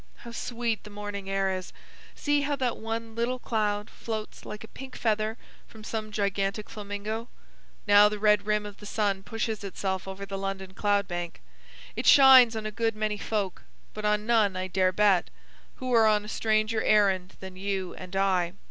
How sweet the morning air is! See how that one little cloud floats like a pink feather from some gigantic flamingo. Now the red rim of the sun pushes itself over the London cloud bank. It shines on a good many folk, but on none, I dare bet, who are on a stranger errand than you and I.